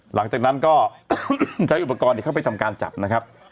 หลังจากนั้นก็ใช้อุปกรณ์เข้าไปทำการจับนะครับ